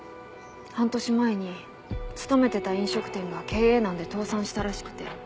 半年前に勤めてた飲食店が経営難で倒産したらしくて。